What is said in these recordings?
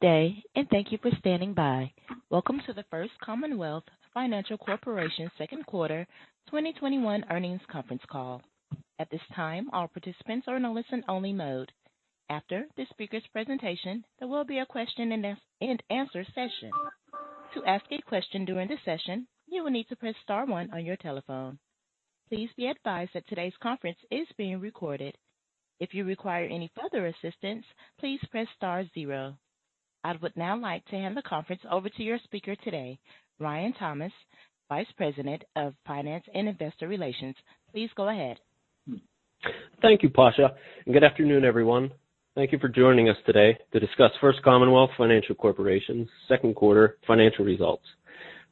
Good day, and thank you for standing by. Welcome to the First Commonwealth Financial Corporation second quarter 2021 earnings conference call. I would now like to hand the conference over to your speaker today, Ryan Thomas, Vice President of Finance and Investor Relations. Please go ahead. Thank you, Pasha, and good afternoon, everyone. Thank you for joining us today to discuss First Commonwealth Financial Corporation's second quarter financial results.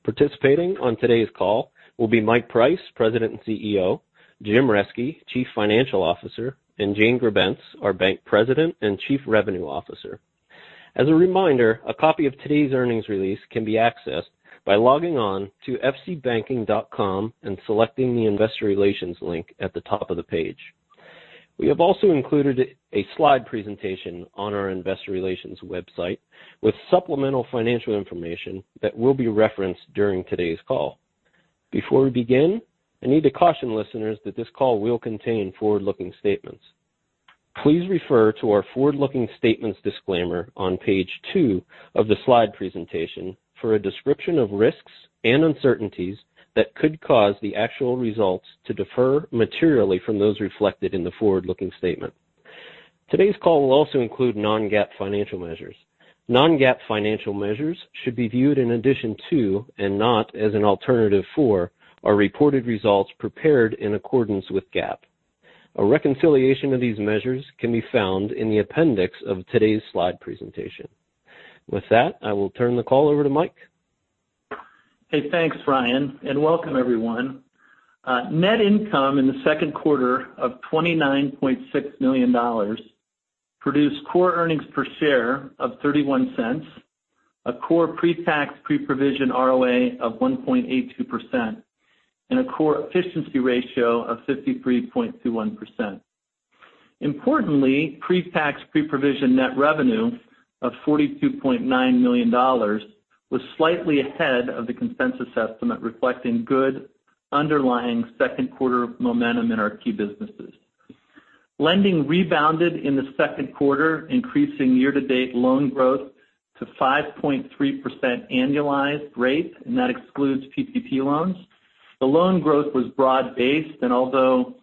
Participating on today's call will be Mike Price, President and CEO, Jim Reske, Chief Financial Officer, and Jane Grebenc, our Bank President and Chief Revenue Officer. As a reminder, a copy of today's earnings release can be accessed by logging on to fcbanking.com and selecting the Investor Relations link at the top of the page. We have also included a slide presentation on our investor relations website with supplemental financial information that will be referenced during today's call. Before we begin, I need to caution listeners that this call will contain forward-looking statements. Please refer to our forward-looking statements disclaimer on page two of the slide presentation for a description of risks and uncertainties that could cause the actual results to differ materially from those reflected in the forward-looking statement. Today's call will also include non-GAAP financial measures. Non-GAAP financial measures should be viewed in addition to and not as an alternative for our reported results prepared in accordance with GAAP. A reconciliation of these measures can be found in the appendix of today's slide presentation. With that, I will turn the call over to Mike. Hey, thanks, Ryan, and welcome everyone. Net income in the second quarter of $29.6 million produced core earnings per share of $0.31, a core pre-tax, pre-provision ROA of 1.82%, and a core efficiency ratio of 53.21%. Importantly, pre-tax, pre-provision net revenue of $42.9 million was slightly ahead of the consensus estimate, reflecting good underlying second quarter momentum in our key businesses. Lending rebounded in the second quarter, increasing year-to-date loan growth to 5.3% annualized rate, and that excludes PPP loans. The loan growth was broad-based, and although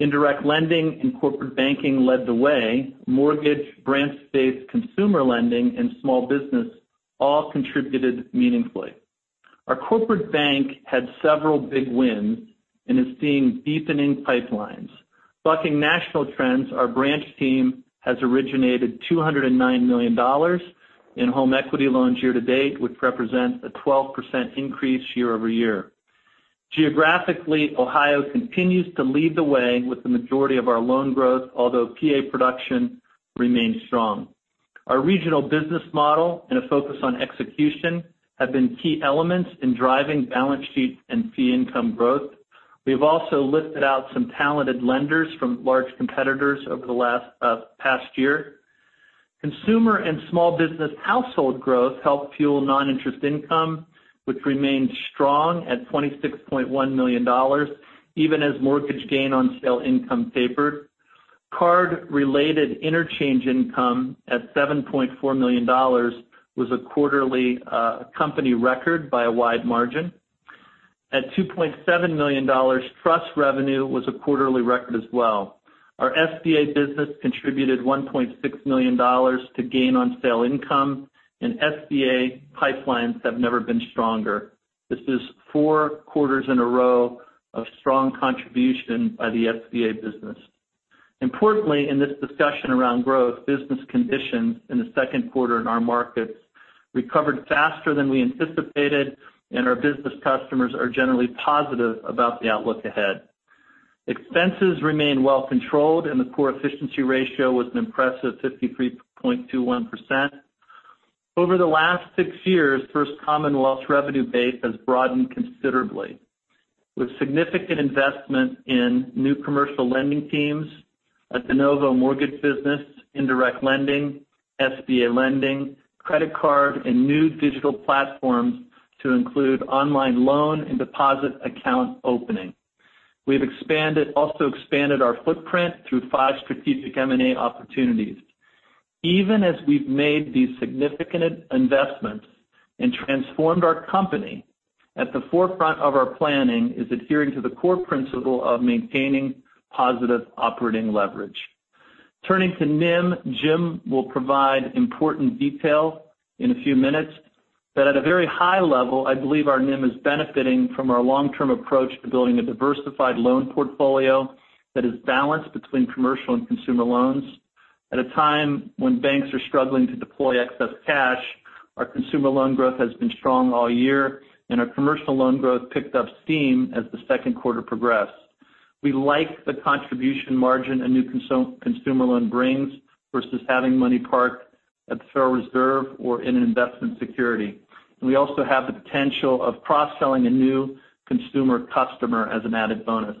indirect lending and corporate banking led the way, mortgage, branch-based consumer lending, and small business all contributed meaningfully. Our corporate bank had several big wins and is seeing deepening pipelines. Bucking national trends, our branch team has originated $209 million in home equity loans year-to-date, which represents a 12% increase year-over-year. Geographically, Ohio continues to lead the way with the majority of our loan growth, although PA production remains strong. Our regional business model and a focus on execution have been key elements in driving balance sheet and fee income growth. We have also lifted out some talented lenders from large competitors over the past year. Consumer and small business household growth helped fuel non-interest income, which remained strong at $26.1 million, even as mortgage gain on sale income tapered. Card-related interchange income at $7.4 million was a quarterly company record by a wide margin. At $2.7 million, trust revenue was a quarterly record as well. Our SBA business contributed $1.6 million to gain-on-sale income, and SBA pipelines have never been stronger. This is four quarters in a row of strong contribution by the SBA business. Importantly, in this discussion around growth, business conditions in the second quarter in our markets recovered faster than we anticipated, and our business customers are generally positive about the outlook ahead. Expenses remain well controlled, and the core efficiency ratio was an impressive 53.21%. Over the last six years, First Commonwealth's revenue base has broadened considerably, with significant investment in new commercial lending teams, a de novo mortgage business, indirect lending, SBA lending, credit card, and new digital platforms to include online loan and deposit account opening. We have also expanded our footprint through five strategic M&A opportunities. Even as we've made these significant investments and transformed our company, at the forefront of our planning is adhering to the core principle of maintaining positive operating leverage. Turning to NIM, Jim will provide important detail in a few minutes. At a very high level, I believe our NIM is benefiting from our long-term approach to building a diversified loan portfolio that is balanced between commercial and consumer loans. At a time when banks are struggling to deploy excess cash, our consumer loan growth has been strong all year, and our commercial loan growth picked up steam as the second quarter progressed. We like the contribution margin a new consumer loan brings versus having money parked at the Federal Reserve or in an investment security. We also have the potential of cross-selling a new consumer customer as an added bonus.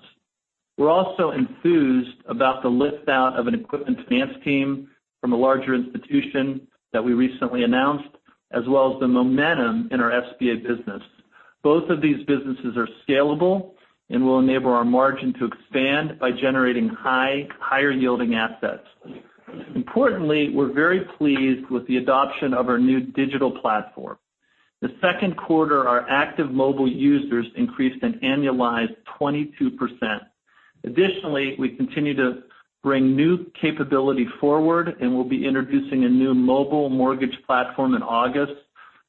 We're also enthused about the lift-out of an equipment finance team from a larger institution that we recently announced, as well as the momentum in our SBA business. Both of these businesses are scalable and will enable our margin to expand by generating higher-yielding assets. Importantly, we're very pleased with the adoption of our new digital platform. This second quarter, our active mobile users increased an annualized 22%. Additionally, we continue to bring new capability forward, and we'll be introducing a new mobile mortgage platform in August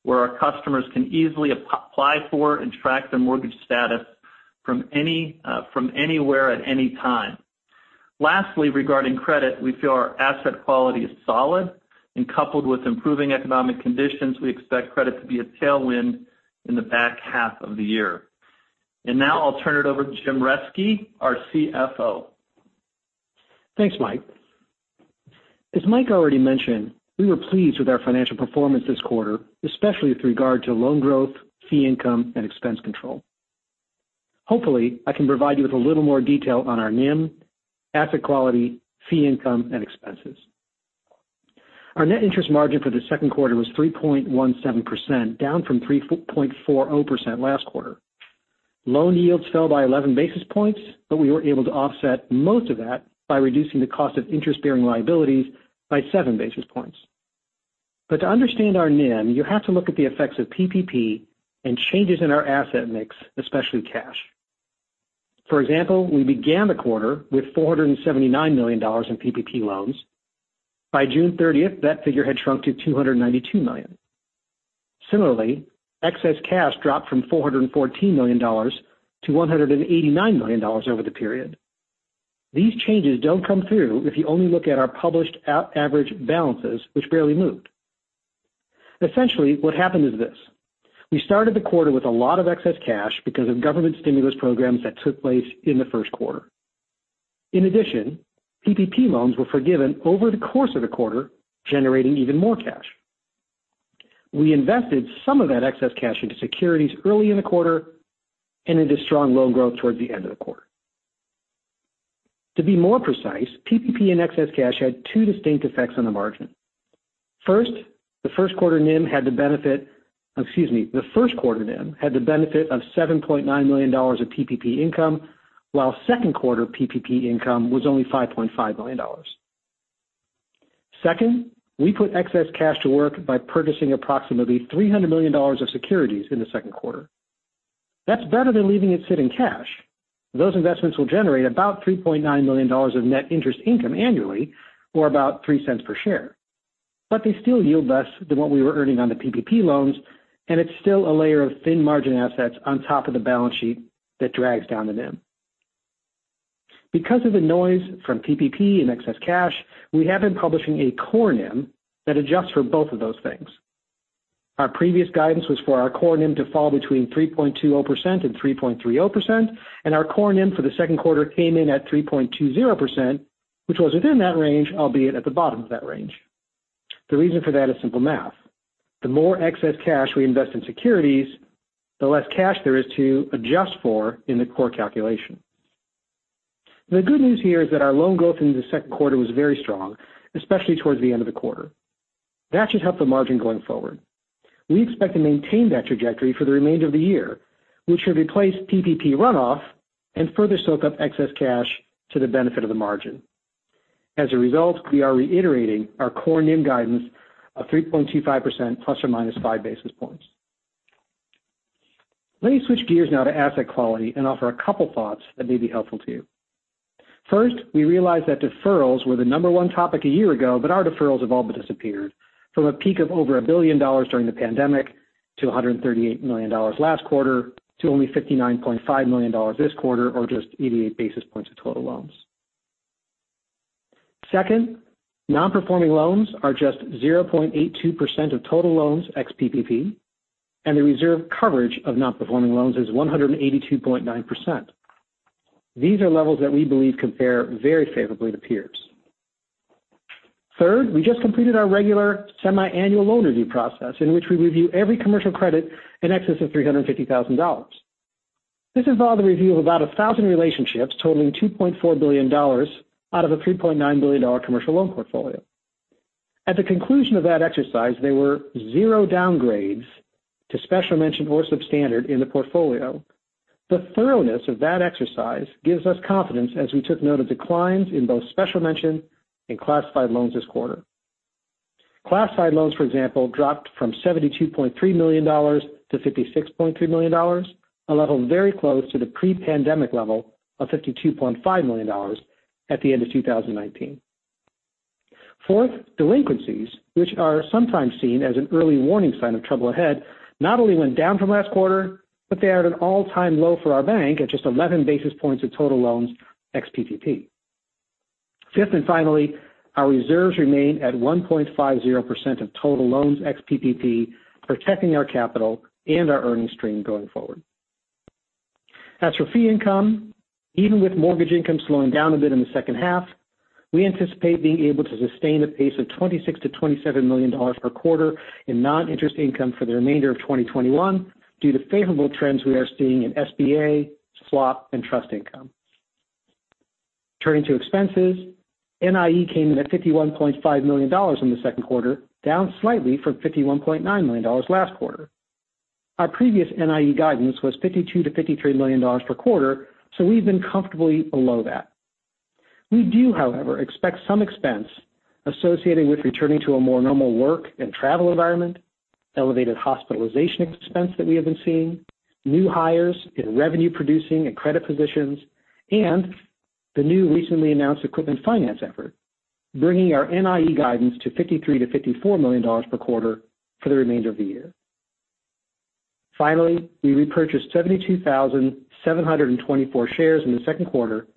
where our customers can easily apply for and track their mortgage status from anywhere at any time. Lastly, regarding credit, we feel our asset quality is solid and coupled with improving economic conditions, we expect credit to be a tailwind in the back half of the year. Now I'll turn it over to Jim Reske, our CFO. Thanks, Mike. As Mike already mentioned, we were pleased with our financial performance this quarter, especially with regard to loan growth, fee income, and expense control. Hopefully, I can provide you with a little more detail on our NIM, asset quality, fee income, and expenses. Our net interest margin for the second quarter was 3.17%, down from 3.40% last quarter. Loan yields fell by 11 basis points, we were able to offset most of that by reducing the cost of interest-bearing liabilities by 7 basis points. To understand our NIM, you have to look at the effects of PPP and changes in our asset mix, especially cash. For example, we began the quarter with $479 million in PPP loans. By June 30th, that figure had shrunk to $292 million. Similarly, excess cash dropped from $414 million to $189 million over the period. These changes don't come through if you only look at our published average balances, which barely moved. Essentially, what happened is this. We started the quarter with a lot of excess cash because of government stimulus programs that took place in the first quarter. In addition, PPP loans were forgiven over the course of the quarter, generating even more cash. We invested some of that excess cash into securities early in the quarter and into strong loan growth towards the end of the quarter. To be more precise, PPP and excess cash had two distinct effects on the margin. First, the first quarter NIM had the benefit of $7.9 million of PPP income, while second quarter PPP income was only $5.5 million. Second, we put excess cash to work by purchasing approximately $300 million of securities in the second quarter. That's better than leaving it sit in cash. Those investments will generate about $3.9 million of net interest income annually, or about $0.03 per share. They still yield less than what we were earning on the PPP loans, and it's still a layer of thin margin assets on top of the balance sheet that drags down the NIM. Because of the noise from PPP and excess cash, we have been publishing a core NIM that adjusts for both of those things. Our previous guidance was for our core NIM to fall between 3.20%-3.30%, and our core NIM for the second quarter came in at 3.20%, which was within that range, albeit at the bottom of that range. The reason for that is simple math. The more excess cash we invest in securities, the less cash there is to adjust for in the core calculation. The good news here is that our loan growth into the second quarter was very strong, especially towards the end of the quarter. That should help the margin going forward. We expect to maintain that trajectory for the remainder of the year, which should replace PPP runoff and further soak up excess cash to the benefit of the margin. As a result, we are reiterating our core NIM guidance of 3.25%, ±5 basis points. Let me switch gears now to asset quality and offer a couple thoughts that may be helpful to you. First, we realize that deferrals were the number one topic a year ago, but our deferrals have all but disappeared from a peak of over $1 billion during the pandemic to $138 million last quarter to only $59.5 million this quarter or just 88 basis points of total loans. Second, non-performing loans are just 0.82% of total loans ex-PPP, and the reserve coverage of non-performing loans is 182.9%. These are levels that we believe compare very favorably to peers. Third, we just completed our regular semiannual loan review process, in which we review every commercial credit in excess of $350,000. This involved a review of about 1,000 relationships totaling $2.4 billion out of a $3.9 billion commercial loan portfolio. At the conclusion of that exercise, there were zero downgrades to special mention or substandard in the portfolio. The thoroughness of that exercise gives us confidence as we took note of declines in both special mention and classified loans this quarter. Classified loans, for example, dropped from $72.3 million to $56.3 million, a level very close to the pre-pandemic level of $52.5 million at the end of 2019. Fourth, delinquencies, which are sometimes seen as an early warning sign of trouble ahead, not only went down from last quarter, but they are at an all-time low for our bank at just 11 basis points of total loans ex-PPP. Fifth and finally, our reserves remain at 1.50% of total loans ex-PPP, protecting our capital and our earnings stream going forward. As for fee income, even with mortgage income slowing down a bit in the second half, we anticipate being able to sustain a pace of $26 million-$27 million per quarter in non-interest income for the remainder of 2021 due to favorable trends we are seeing in SBA, swap, and trust income. Turning to expenses, NIE came in at $51.5 million in the second quarter, down slightly from $51.9 million last quarter. Our previous NIE guidance was $52 million-$53 million per quarter, so we've been comfortably below that. We do, however, expect some expense associated with returning to a more normal work and travel environment, elevated hospitalization expense that we have been seeing, new hires in revenue-producing and credit positions, and the new recently announced equipment finance effort, bringing our NIE guidance to $53 million-$54 million per quarter for the remainder of the year. Finally, we repurchased 72,724 shares in the second quarter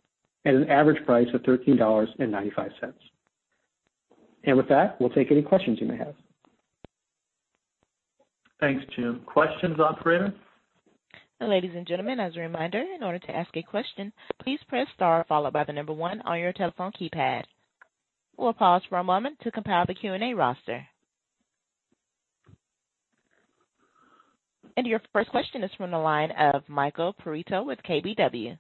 at an average price of $13.95. With that, we'll take any questions you may have. Thanks, Jim. Questions, operator? Ladies and gentlemen, as a reminder, in order to ask a question, please press star followed by the number 1 on your telephone keypad. We'll pause for a moment to compile the Q&A roster. Your first question is from the line of Michael Perito with KBW.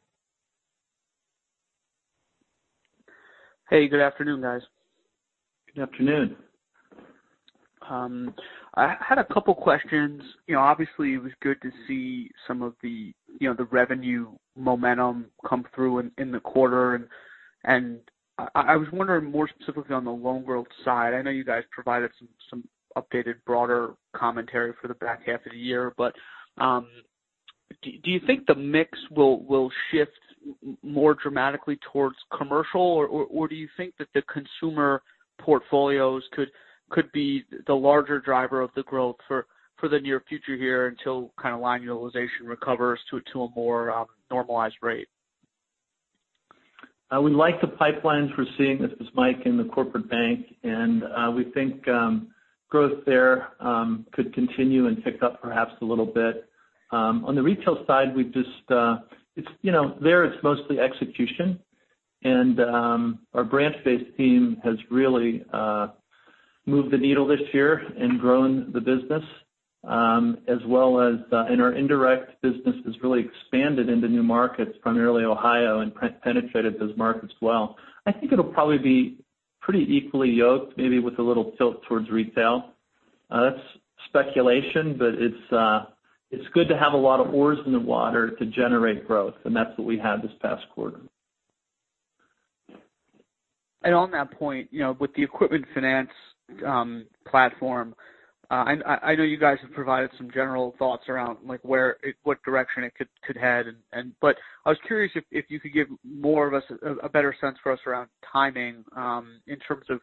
Hey, good afternoon, guys. Good afternoon. I had a couple questions. Obviously, it was good to see some of the revenue momentum come through in the quarter. I was wondering more specifically on the loan growth side. I know you guys provided some updated broader commentary for the back half of the year, but do you think the mix will shift more dramatically towards commercial, or do you think that the consumer portfolios could be the larger driver of the growth for the near future here until line utilization recovers to a more normalized rate? We like the pipelines we're seeing, this is Mike, in the corporate bank. We think growth there could continue and pick up perhaps a little bit. On the retail side, there it's mostly execution. Our branch-based team has really moved the needle this year and grown the business, and our indirect business has really expanded into new markets, primarily Ohio, and penetrated those markets well. I think it'll probably be pretty equally yoked, maybe with a little tilt towards retail. That's speculation, but it's good to have a lot of oars in the water to generate growth, and that's what we had this past quarter. On that point, with the equipment finance platform, I know you guys have provided some general thoughts around what direction it could head, but I was curious if you could give a better sense for us around timing in terms of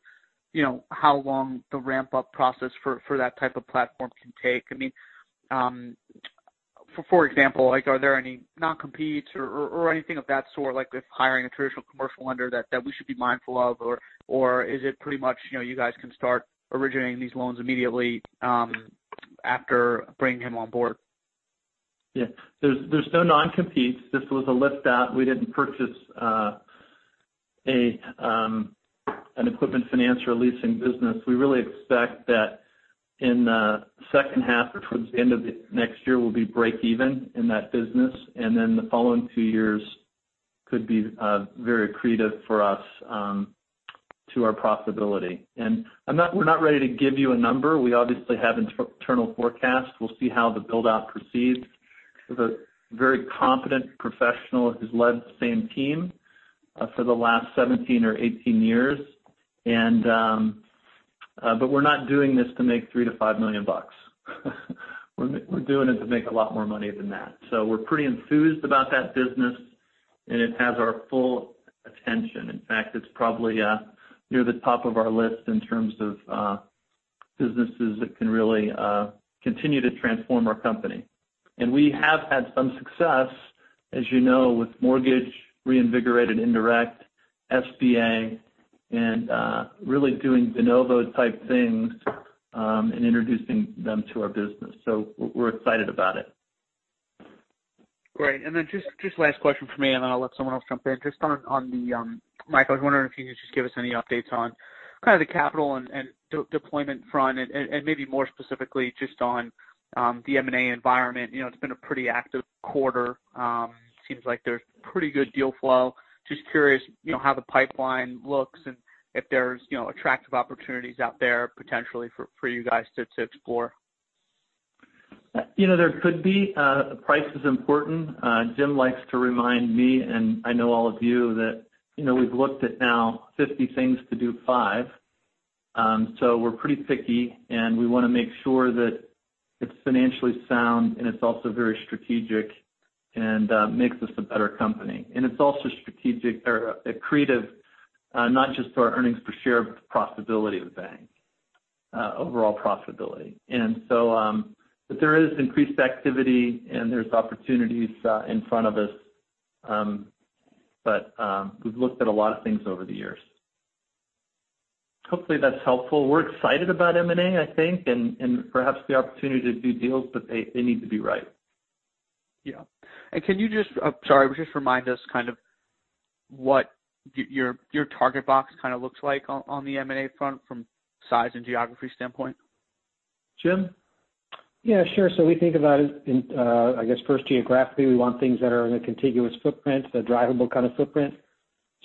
how long the ramp-up process for that type of platform can take. For example, are there any non-competes or anything of that sort, like if hiring a traditional commercial lender that we should be mindful of, or is it pretty much you guys can start originating these loans immediately after bringing him on board? There's no non-competes. This was a lift out. We didn't purchase an equipment finance or leasing business. We really expect that in the second half or towards the end of next year, we'll be break-even in that business, and then the following two years could be very accretive for us to our profitability. We're not ready to give you a number. We obviously have internal forecasts. We'll see how the build-out proceeds with a very competent professional who's led the same team for the last 17 or 18 years. We're not doing this to make $3 million-$5 million. We're doing it to make a lot more money than that. We're pretty enthused about that business, and it has our full attention. In fact, it's probably near the top of our list in terms of businesses that can really continue to transform our company. We have had some success, as you know, with mortgage, reinvigorated indirect, SBA, and really doing de novo type things and introducing them to our business. We're excited about it. Great. Then just last question from me, and then I'll let someone else jump in. Mike, I was wondering if you could just give us any updates on kind of the capital and deployment front and maybe more specifically just on the M&A environment. It's been a pretty active quarter. Seems like there's pretty good deal flow. Just curious how the pipeline looks and if there's attractive opportunities out there potentially for you guys to explore. There could be. Price is important. Jim likes to remind me, and I know all of you that we've looked at now 50 things to do five. We're pretty picky, and we want to make sure that it's financially sound and it's also very strategic and makes us a better company. It's also accretive not just to our earnings per share, but the profitability of the bank, overall profitability. There is increased activity, and there's opportunities in front of us. We've looked at a lot of things over the years. Hopefully that's helpful. We're excited about M&A, I think, and perhaps the opportunity to do deals, but they need to be right. Yeah. Sorry, would you just remind us what your target box kind of looks like on the M&A front from size and geography standpoint? Jim? Yeah, sure. We think about it in, I guess first geographically, we want things that are in a contiguous footprint, a drivable kind of footprint,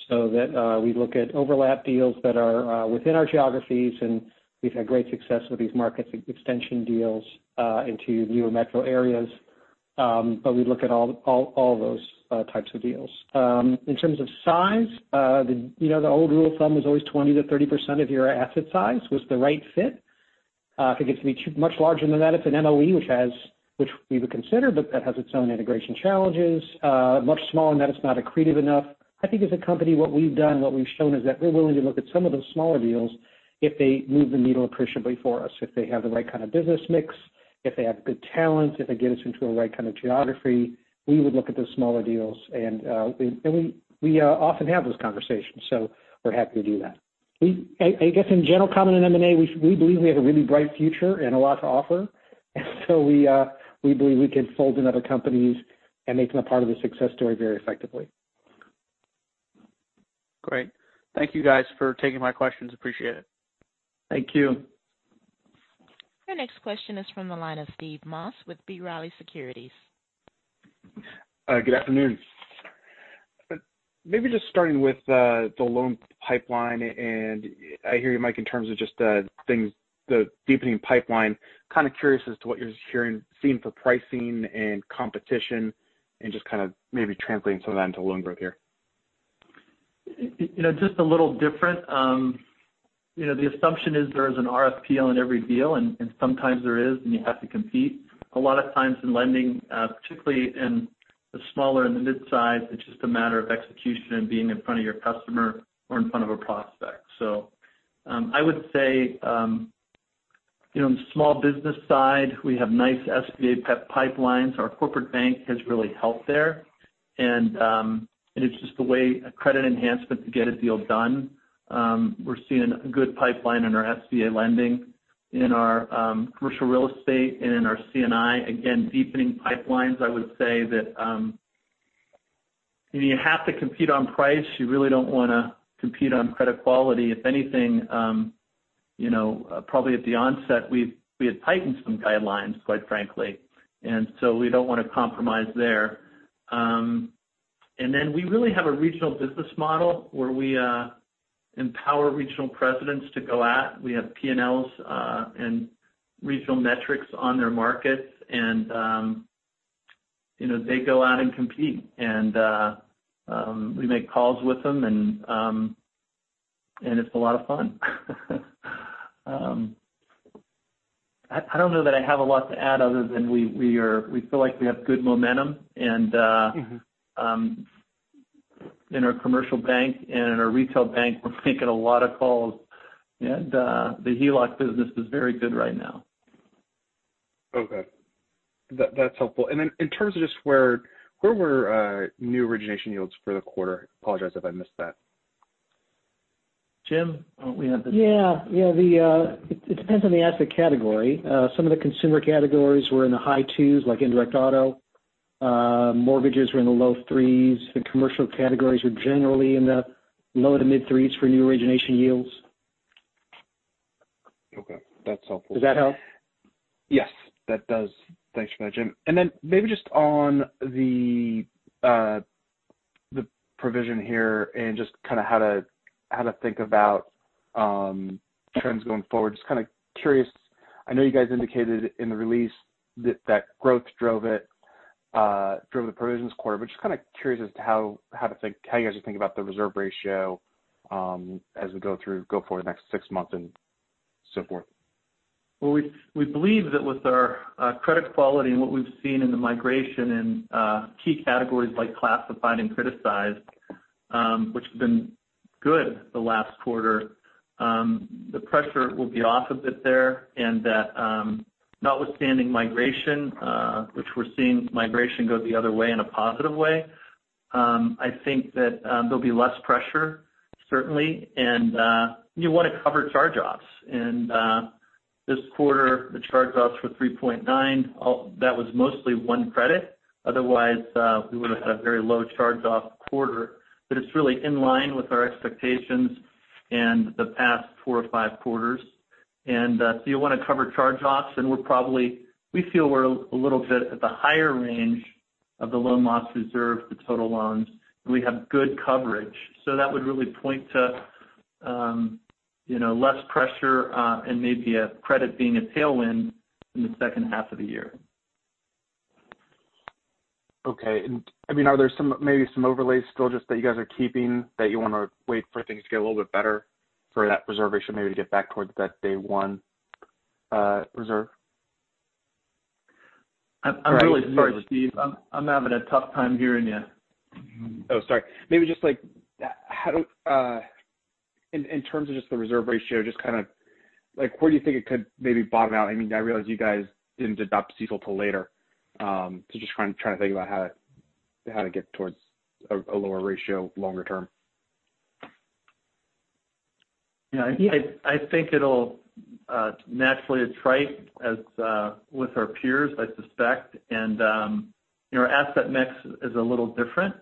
so that we look at overlap deals that are within our geographies, and we've had great success with these market extension deals into newer metro areas. We look at all those types of deals. In terms of size, the old rule of thumb was always 20%-30% of your asset size was the right fit. If it gets to be much larger than that, it's an MOE which we would consider, but that has its own integration challenges. Much smaller than that, it's not accretive enough. I think as a company, what we've done, what we've shown is that we're willing to look at some of those smaller deals if they move the needle appreciably for us. If they have the right kind of business mix, if they have good talent, if they get us into the right kind of geography, we would look at those smaller deals. We often have those conversations, so we're happy to do that. I guess in general, common in M&A, we believe we have a really bright future and a lot to offer. We believe we can fold in other companies and make them a part of the success story very effectively. Great. Thank you guys for taking my questions. Appreciate it. Thank you. Your next question is from the line of Steve Moss with B. Riley Securities. Good afternoon. Maybe just starting with the loan pipeline. I hear you, Mike, in terms of just the deepening pipeline, kind of curious as to what you're seeing for pricing and competition and just kind of maybe translating some of that into loan growth here. Just a little different. The assumption is there is an RFP in every deal, and sometimes there is, and you have to compete. A lot of times in lending, particularly in the smaller and the mid-size, it's just a matter of execution and being in front of your customer or in front of a prospect. I would say, in the small business side, we have nice SBA pipelines. Our corporate bank has really helped there. It's just a way, a credit enhancement to get a deal done. We're seeing a good pipeline in our SBA lending. In our commercial real estate and in our C&I, again, deepening pipelines, I would say that you have to compete on price. You really don't want to compete on credit quality. If anything, probably at the onset, we had tightened some guidelines, quite frankly. We don't want to compromise there. We really have a regional business model where we empower regional presidents to go out. We have P&Ls and regional metrics on their markets. They go out and compete. We make calls with them. It's a lot of fun. I don't know that I have a lot to add other than we feel like we have good momentum. in our commercial bank and in our retail bank, we're making a lot of calls. The HELOC business is very good right now. Okay. That's helpful. In terms of just where were new origination yields for the quarter? I apologize if I missed that. Jim? Yeah. It depends on the asset category. Some of the consumer categories were in the high 2%, like indirect auto. Mortgages were in the low 3%. The commercial categories were generally in the low to mid 3% for new origination yields. Okay. That's helpful. Does that help? Yes, that does. Thanks for that, Jim. Maybe just on the provision here and just kind of how to think about trends going forward, just kind of curious. I know you guys indicated in the release that growth drove the provisions quarter, just kind of curious as to how you guys are thinking about the reserve ratio as we go forward the next six months and so forth. We believe that with our credit quality and what we've seen in the migration in key categories like classified and criticized, which has been good the last quarter, the pressure will be off a bit there, and that notwithstanding migration, which we're seeing migration go the other way in a positive way. I think that there'll be less pressure, certainly. You want to cover charge-offs. This quarter, the charge-offs were 3.9%. That was mostly one credit. Otherwise, we would've had a very low charge-off quarter. It's really in line with our expectations in the past four or five quarters. You want to cover charge-offs, and we feel we're a little bit at the higher range of the loan loss reserve to total loans, and we have good coverage. That would really point to less pressure and maybe a credit being a tailwind in the second half of the year. Okay. Are there maybe some overlays still just that you guys are keeping that you want to wait for things to get a little bit better for that preservation maybe to get back towards that day one reserve? I'm really sorry, Steve. I'm having a tough time hearing you. Oh, sorry. Maybe just like, in terms of just the reserve ratio, kind of, where do you think it could maybe bottom out? I realize you guys didn't adopt CECL till later. Just trying to think about how to get towards a lower ratio longer term. Yeah. I think it'll naturally attrite as with our peers, I suspect. Our asset mix is a little different.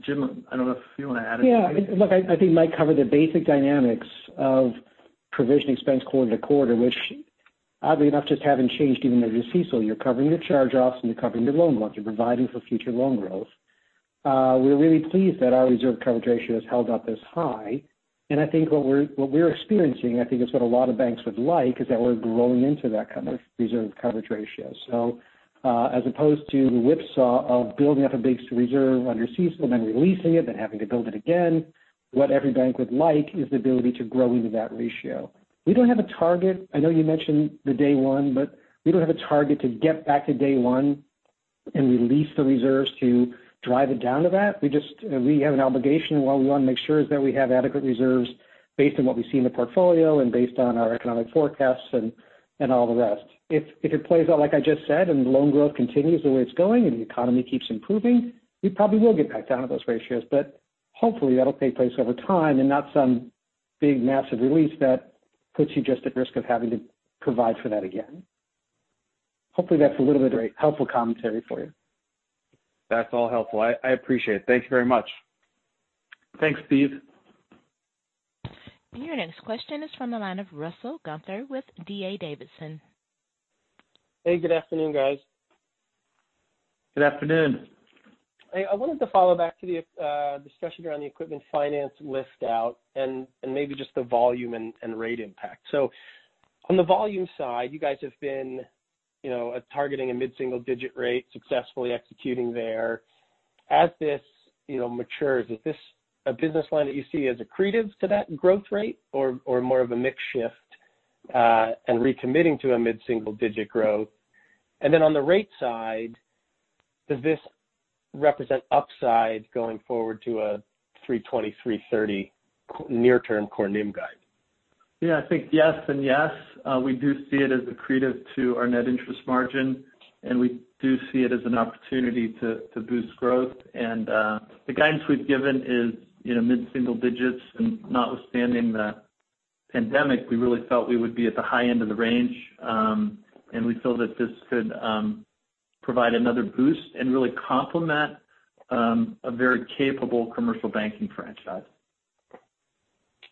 Jim, I don't know if you want to add anything? Yeah. Look, I think Mike covered the basic dynamics of provision expense quarter to quarter, which oddly enough, just haven't changed even under CECL. You're covering your charge-offs and you're covering your loan loss. You're providing for future loan growth. We're really pleased that our reserve coverage ratio has held up this high. I think what we're experiencing, I think is what a lot of banks would like, is that we're growing into that kind of reserve coverage ratio. As opposed to the whipsaw of building up a big reserve under CECL and then releasing it, then having to build it again, what every bank would like is the ability to grow into that ratio. We don't have a target. I know you mentioned the day one. We don't have a target to get back to day one and release the reserves to drive it down to that. We have an obligation, and what we want to make sure is that we have adequate reserves based on what we see in the portfolio and based on our economic forecasts and all the rest. If it plays out like I just said, and loan growth continues the way it's going and the economy keeps improving, we probably will get back down to those ratios. Hopefully that'll take place over time and not some big massive release that puts you just at risk of having to provide for that again. Hopefully that's a little bit of helpful commentary for you. That's all helpful. I appreciate it. Thank you very much. Thanks, Steve. Your next question is from the line of Russell Gunther with D.A. Davidson. Hey, good afternoon, guys. Good afternoon. I wanted to follow back to the discussion around the equipment finance list-out and maybe just the volume and rate impact. On the volume side, you guys have been targeting a mid-single digit rate, successfully executing there. As this matures, is this a business line that you see as accretive to that growth rate or more of a mix shift and recommitting to a mid-single digit growth? On the rate side, does this represent upside going forward to a 3.20%, 3.30% near-term core NIM guide? Yeah, I think yes and yes. We do see it as accretive to our net interest margin, and we do see it as an opportunity to boost growth. The guidance we've given is mid-single digits. Notwithstanding the pandemic, we really felt we would be at the high end of the range. We feel that this could provide another boost and really complement a very capable commercial banking franchise.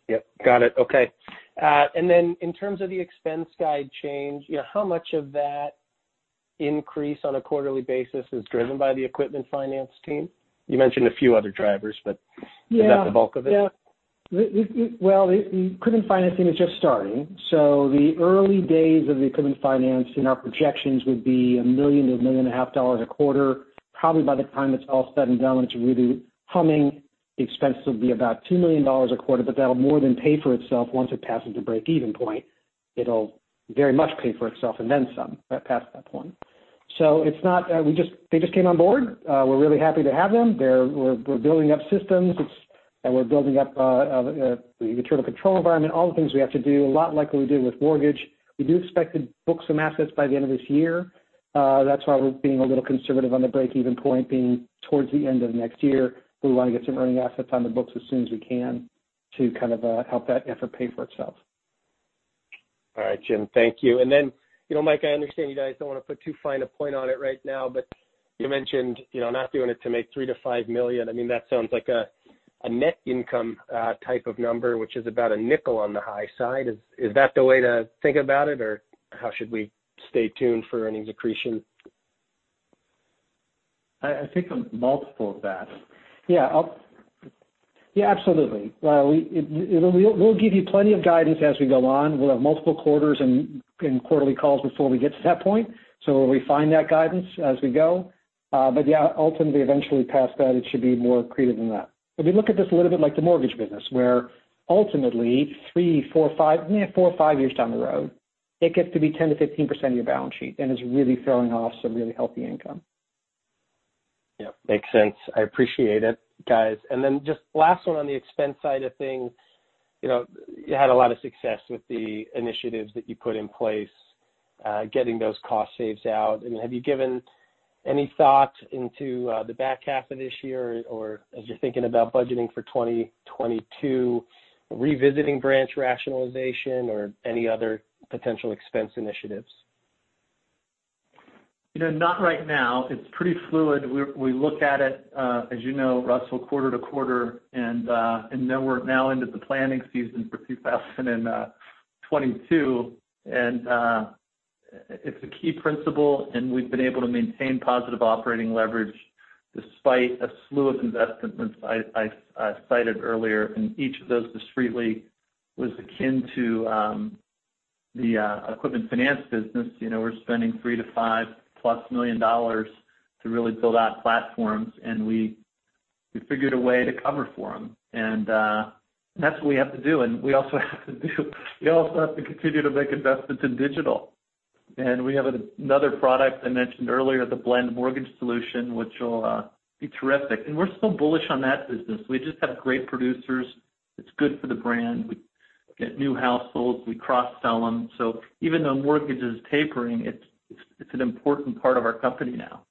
Yep. Got it. Okay. In terms of the expense guide change, how much of that increase on a quarterly basis is driven by the equipment finance team? You mentioned a few other drivers. Yeah Is that the bulk of it? Well, equipment financing is just starting. The early days of equipment financing, our projections would be $1 million-$1.5 million a quarter. Probably by the time it's all said and done, when it's really humming, the expense will be about $2 million a quarter, but that'll more than pay for itself once it passes the break-even point. It'll very much pay for itself and then some past that point. They just came on board. We're really happy to have them. We're building up systems, and we're building up the internal control environment, all the things we have to do, a lot like what we did with mortgage. We do expect to book some assets by the end of this year. That's why we're being a little conservative on the break-even point being towards the end of next year. We want to get some earning assets on the books as soon as we can to kind of help that effort pay for itself. All right, Jim. Thank you. Then, Mike, I understand you guys don't want to put too fine a point on it right now, you mentioned not doing it to make $3 million-$5 million. That sounds like a net income type of number, which is about $0.05 on the high side. Is that the way to think about it? How should we stay tuned for earnings accretion? I think a multiple of that. Yeah. Absolutely. We'll give you plenty of guidance as we go on. We'll have multiple quarters and quarterly calls before we get to that point. We'll refine that guidance as we go. Yeah, ultimately, eventually past that, it should be more accretive than that. If you look at this a little bit like the mortgage business, where ultimately three, four or five years down the road, it gets to be 10%-15% of your balance sheet and is really throwing off some really healthy income. Yep. Makes sense. I appreciate it, guys. Just last one on the expense side of things. You had a lot of success with the initiatives that you put in place, getting those cost saves out. Have you given any thought into the back half of this year or as you're thinking about budgeting for 2022, revisiting branch rationalization or any other potential expense initiatives? Not right now. It's pretty fluid. We look at it, as you know, Russell, quarter to quarter, now we're into the planning season for 2022. It's a key principle, and we've been able to maintain positive operating leverage despite a slew of investments I cited earlier. Each of those discreetly was akin to the equipment finance business. We're spending $3 million-$5 million-plus to really build out platforms, and we figured a way to cover for them. That's what we have to do. We also have to continue to make investments in digital. We have another product I mentioned earlier, the Blend Mortgage solution, which will be terrific. We're still bullish on that business. We just have great producers. It's good for the brand. We get new households, we cross-sell them. Even though mortgage is tapering, it's an important part of our company now.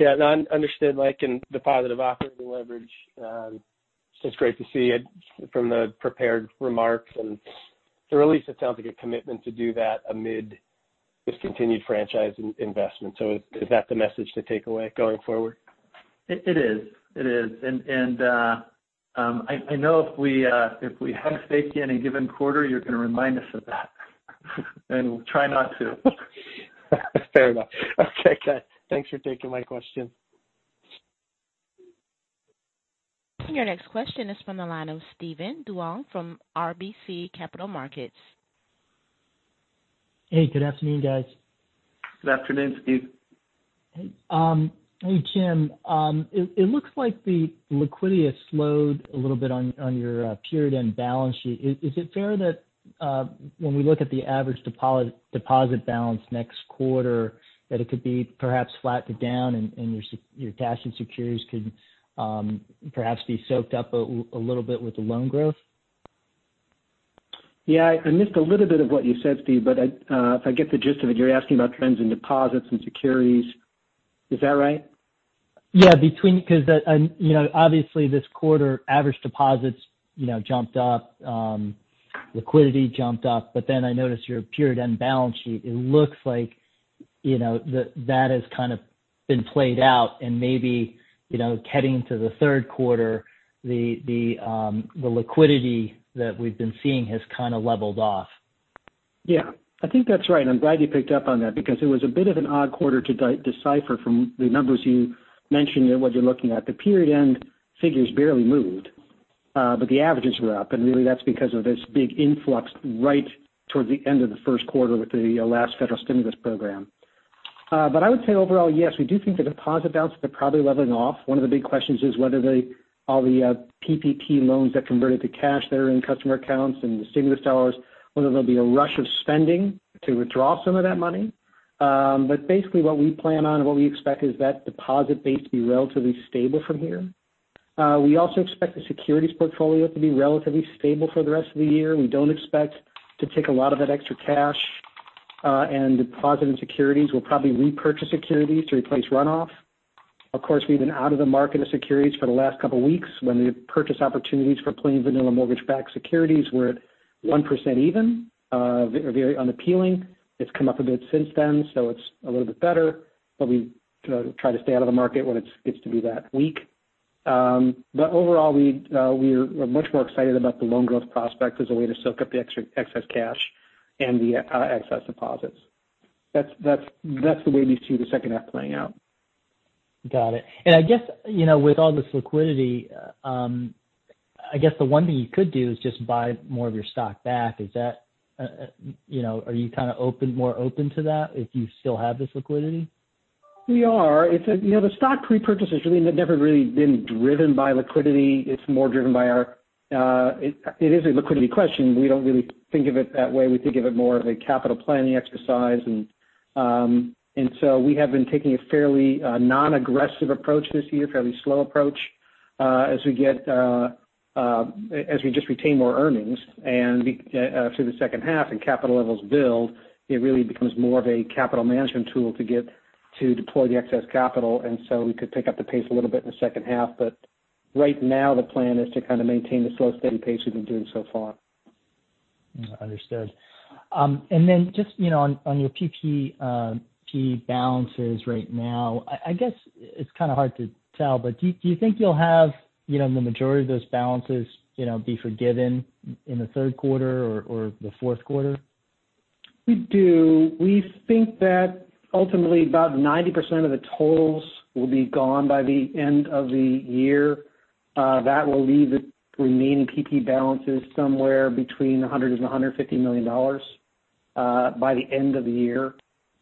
No, understood, Mike, and the positive operating leverage, it's just great to see it from the prepared remarks. At least it sounds like a commitment to do that amid this continued franchise investment. Is that the message to take away going forward? It is. It is. I know if we mistake you in any given quarter, you're going to remind us of that. We'll try not to. Fair enough. Okay, good. Thanks for taking my question. Your next question is from the line of Steven Duong from RBC Capital Markets. Hey, good afternoon, guys. Good afternoon, Steve. Hey, Jim. It looks like the liquidity has slowed a little bit on your period-end balance sheet. Is it fair that when we look at the average deposit balance next quarter, that it could be perhaps flat to down and your cash and securities could perhaps be soaked up a little bit with the loan growth? Yeah, I missed a little bit of what you said, Steve, but if I get the gist of it, you're asking about trends in deposits and securities. Is that right? Obviously this quarter, average deposits jumped up, liquidity jumped up. I noticed your period-end balance sheet. It looks like that has kind of been played out and maybe heading into the third quarter, the liquidity that we've been seeing has kind of leveled off. Yeah, I think that's right, and I'm glad you picked up on that because it was a bit of an odd quarter to decipher from the numbers you mentioned there, what you're looking at. The period-end figures barely moved. The averages were up, and really that's because of this big influx right towards the end of the first quarter with the last Federal stimulus program. I would say overall, yes, we do think the deposit balances are probably leveling off. One of the big questions is whether all the PPP loans that converted to cash that are in customer accounts and the stimulus dollars, whether there'll be a rush of spending to withdraw some of that money. Basically what we plan on and what we expect is that deposit base to be relatively stable from here. We also expect the securities portfolio to be relatively stable for the rest of the year. We don't expect to take a lot of that extra cash and deposit and securities. We'll probably repurchase securities to replace runoff. Of course, we've been out of the market of securities for the last couple of weeks when the purchase opportunities for plain vanilla mortgage-backed securities were at 1% even, very unappealing. It's come up a bit since then, so it's a little bit better. We try to stay out of the market when it gets to be that weak. Overall we're much more excited about the loan growth prospect as a way to soak up the excess cash and the excess deposits. That's the way we see the second half playing out. Got it. I guess with all this liquidity, I guess the one thing you could do is just buy more of your stock back. Are you kind of more open to that if you still have this liquidity? We are. The stock repurchases never really been driven by liquidity. It is a liquidity question. We don't really think of it that way. We think of it more of a capital planning exercise. We have been taking a fairly non-aggressive approach this year, fairly slow approach as we just retain more earnings. Through the second half and capital levels build, it really becomes more of a capital management tool to deploy the excess capital. We could pick up the pace a little bit in the second half. Right now the plan is to kind of maintain the slow, steady pace we've been doing so far. Understood. Just on your PPP balances right now, I guess it's kind of hard to tell, but do you think you'll have the majority of those balances be forgiven in the third quarter or the fourth quarter? We do. We think that ultimately about 90% of the totals will be gone by the end of the year. That will leave the remaining PPP balances somewhere between $100 million-$150 million by the end of the year.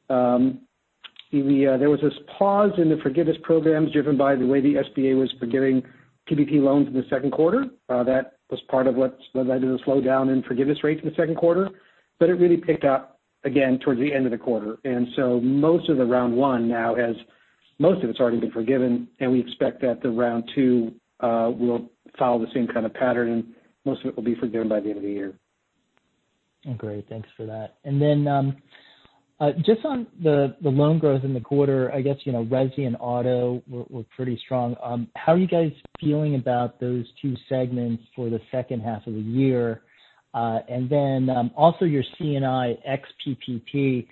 There was this pause in the forgiveness programs driven by the way the SBA was forgiving PPP loans in the second quarter. That was part of what led to the slowdown in forgiveness rates in the second quarter. It really picked up again towards the end of the quarter. Most of the round one now has most of it's already been forgiven, and we expect that the round two will follow the same kind of pattern, and most of it will be forgiven by the end of the year. Great. Thanks for that. Just on the loan growth in the quarter, I guess resi and auto were pretty strong. How are you guys feeling about those two segments for the second half of the year? Also your C&I ex-PPP,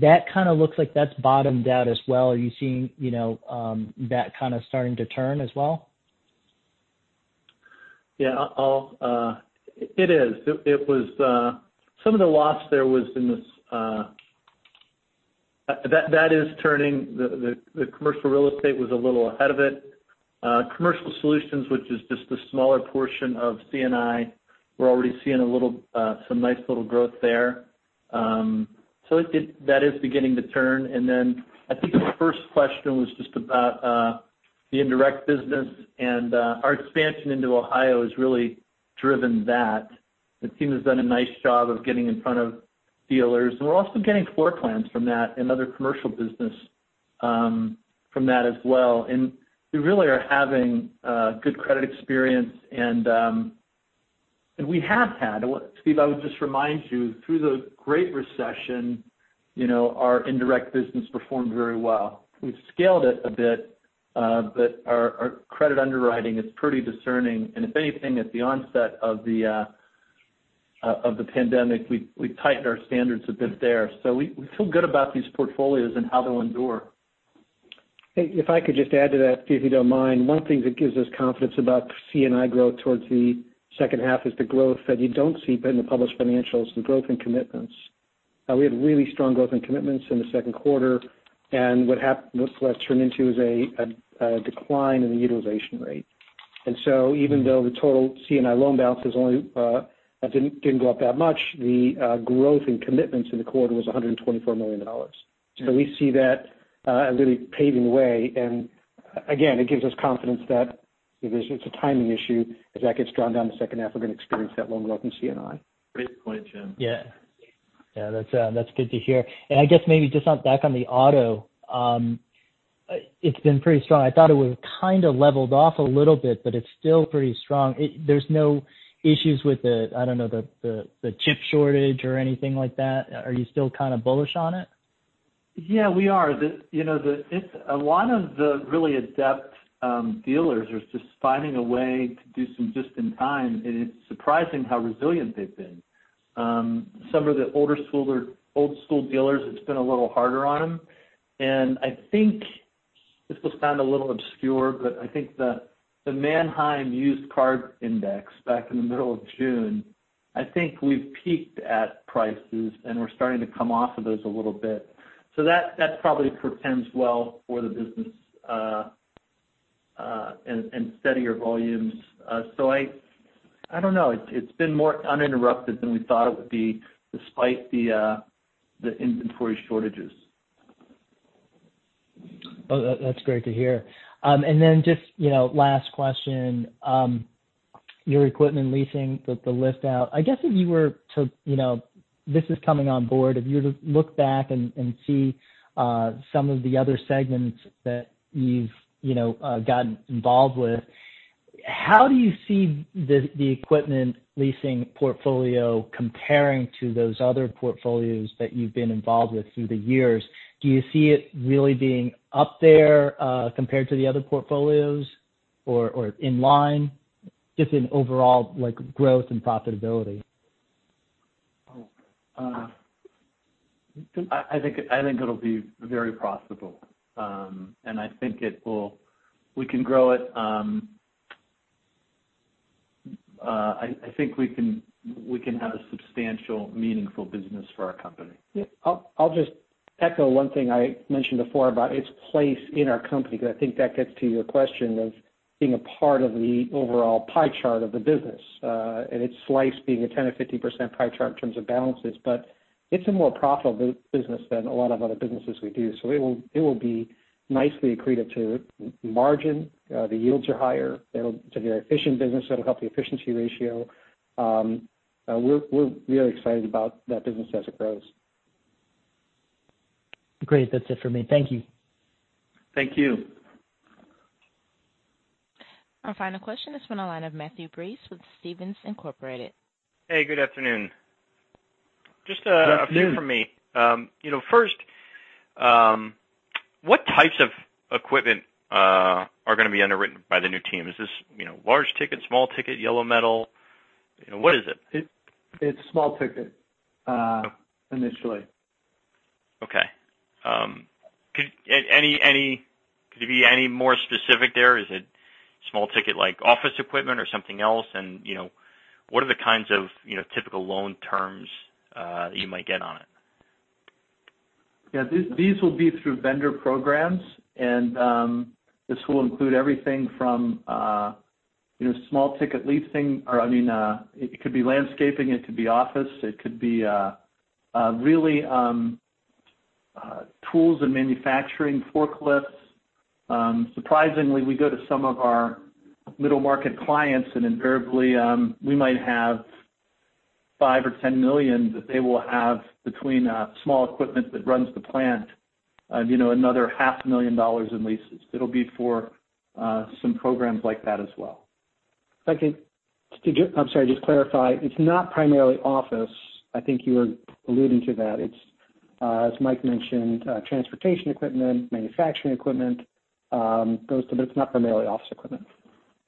that kind of looks like that's bottomed out as well. Are you seeing that kind of starting to turn as well? Yeah. It is. Some of the loss there was in this. That is turning. The commercial real estate was a little ahead of it. Commercial solutions, which is just the smaller portion of C&I, we're already seeing some nice little growth there. That is beginning to turn. I think the first question was just about. The indirect business and our expansion into Ohio has really driven that. The team has done a nice job of getting in front of dealers, and we're also getting floor plans from that and other commercial business from that as well. We really are having a good credit experience, and we have had. Steve, I would just remind you, through the Great Recession, our indirect business performed very well. We've scaled it a bit, but our credit underwriting is pretty discerning, and if anything, at the onset of the pandemic, we've tightened our standards a bit there. We feel good about these portfolios and how they'll endure. If I could just add to that, Steve, if you don't mind. One thing that gives us confidence about C&I growth towards the second half is the growth that you don't see but in the published financials, the growth and commitments. We had really strong growth and commitments in the second quarter. What that turned into is a decline in the utilization rate. Even though the total C&I loan balance didn't go up that much, the growth in commitments in the quarter was $124 million. We see that really paving the way, and again, it gives us confidence that it's a timing issue. As that gets drawn down in the second half, we're going to experience that loan growth in C&I. Great point, Jim. Yeah. That's good to hear. I guess maybe just back on the auto. It's been pretty strong. I thought it would've kind of leveled off a little bit, but it's still pretty strong. There's no issues with the, I don't know, the chip shortage or anything like that? Are you still kind of bullish on it? Yeah, we are. A lot of the really adept dealers are just finding a way to do some just-in-time, and it's surprising how resilient they've been. Some of the old school dealers, it's been a little harder on them, and I think this will sound a little obscure, but I think the Manheim Used Vehicle Value Index back in the middle of June, I think we've peaked at prices, and we're starting to come off of those a little bit. That probably portends well for the business and steadier volumes. I don't know. It's been more uninterrupted than we thought it would be, despite the inventory shortages. Well, that's great to hear. Just last question. Your equipment leasing with the list out, I guess this is coming on board. You were to look back and see some of the other segments that you've gotten involved with, how do you see the equipment leasing portfolio comparing to those other portfolios that you've been involved with through the years? Do you see it really being up there compared to the other portfolios or in line? Just in overall growth and profitability. I think it'll be very profitable. I think we can grow it. I think we can have a substantial, meaningful business for our company. Yeah. I'll just echo one thing I mentioned before about its place in our company, because I think that gets to your question of being a part of the overall pie chart of the business, and its slice being a 10%-15% pie chart in terms of balances. It's a more profitable business than a lot of other businesses we do. It will be nicely accretive to margin. The yields are higher. It's a very efficient business. It'll help the efficiency ratio. We're really excited about that business as it grows. Great. That's it for me. Thank you. Thank you. Our final question is from the line of Matthew Breese with Stephens Inc. Hey, good afternoon. Good afternoon. Just a few from me. First, what types of equipment are going to be underwritten by the new team? Is this large ticket, small ticket, yellow metal? What is it? It's small ticket initially. Okay. Could you be any more specific there? Is it small ticket, like office equipment or something else? What are the kinds of typical loan terms that you might get on it? Yeah. These will be through vendor programs. This will include everything from small ticket leasing. It could be landscaping, it could be office, it could be really tools and manufacturing forklifts. Surprisingly, we go to some of our middle-market clients. Invariably, we might have $5 million or $10 million that they will have between small equipment that runs the plant, another half a million dollars in leases. It'll be for some programs like that as well. I'm sorry, just clarify. It's not primarily office. I think you were alluding to that. It's, as Mike mentioned, transportation equipment, manufacturing equipment. It's not primarily office equipment.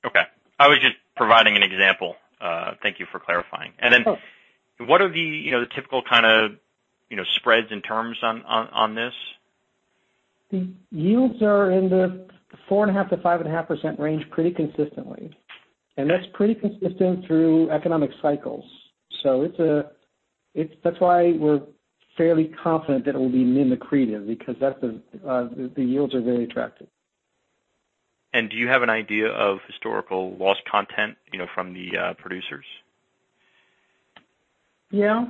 Okay. I was just providing an example. Thank you for clarifying. Sure. What are the typical kind of spreads and terms on this? The yields are in the 4.5%-5.5% range pretty consistently, and that's pretty consistent through economic cycles. That's why we're fairly confident that it will be NIM accretive because the yields are very attractive. Do you have an idea of historical loss content from the producers? Yeah.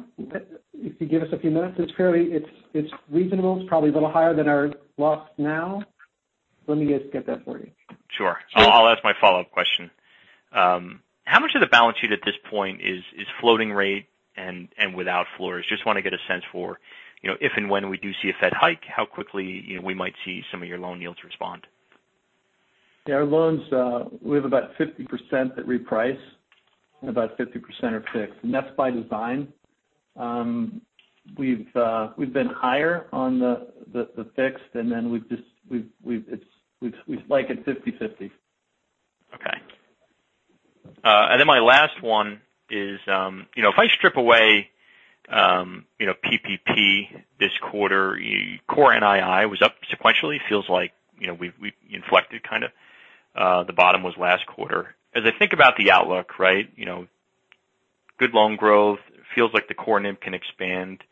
If you give us a few minutes. It's reasonable. It's probably a little higher than our loss now. Let me just get that for you. Sure. I'll ask my follow-up question. How much of the balance sheet at this point is floating rate and without floors? Just want to get a sense for if and when we do see a Fed hike, how quickly we might see some of your loan yields respond. Yeah, our loans, we have about 50% that reprice and about 50% are fixed. That's by design. We've been higher on the fixed, and then we like it 50/50. Okay. My last one is if I strip away PPP this quarter, core NII was up sequentially. It feels like we've inflected kind of. The bottom was last quarter. As I think about the outlook, good loan growth, feels like the core NIM can expand.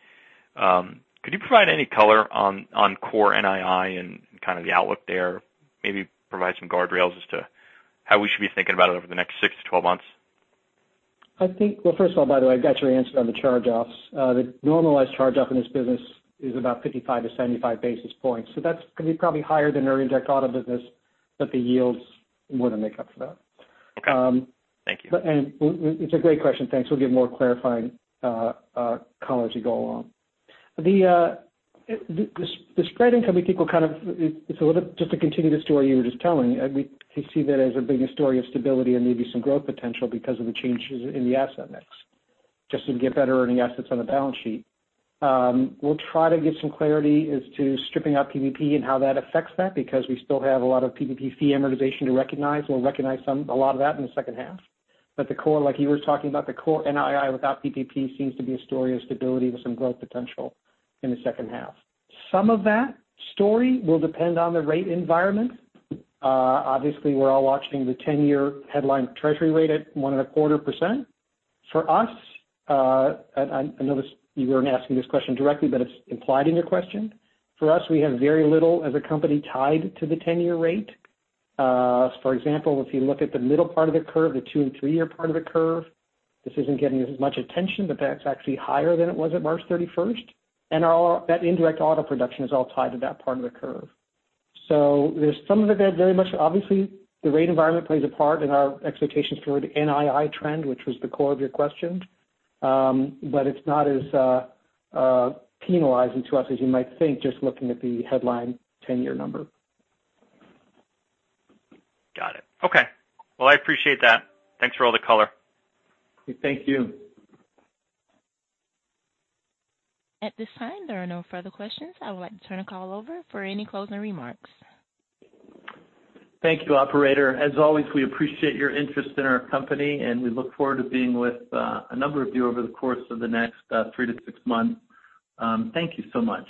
Could you provide any color on core NII and kind of the outlook there? Maybe provide some guardrails as to how we should be thinking about it over the next six to 12 months. Well, first of all, by the way, I got your answer on the charge-offs. The normalized charge-off in this business is about 55 to 75 basis points. That's going to be probably higher than our indirect auto business, but the yields more than make up for that. Okay. Thank you. It's a great question, thanks. We'll give more clarifying color as we go along. The spread income, I think will just to continue the story you were just telling, we see that as being a story of stability and maybe some growth potential because of the changes in the asset mix, just to get better earning assets on the balance sheet. We'll try to give some clarity as to stripping out PPP and how that affects that because we still have a lot of PPP fee amortization to recognize. We'll recognize a lot of that in the second half. The core, like you were talking about, the core NII without PPP seems to be a story of stability with some growth potential in the second half. Some of that story will depend on the rate environment. We're all watching the 10-year headline Treasury rate at 1.25%. For us, I know you weren't asking this question directly, it's implied in your question. For us, we have very little as a company tied to the 10-year rate. For example, if you look at the middle part of the curve, the two and three-year part of the curve, this isn't getting as much attention, that's actually higher than it was at March 31st. All that indirect auto production is all tied to that part of the curve. There's some of it that very much obviously the rate environment plays a part in our expectations for the NII trend, which was the core of your question. It's not as penalizing to us as you might think, just looking at the headline 10-year number. Got it. Okay. Well, I appreciate that. Thanks for all the color. Thank you. At this time, there are no further questions. I would like to turn the call over for any closing remarks. Thank you, Operator. As always, we appreciate your interest in our company, and we look forward to being with a number of you over the course of the next three to six months. Thank you so much.